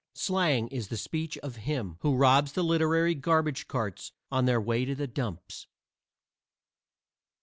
Slang is the speech of him who robs the literary garbage carts on their way to the dumps.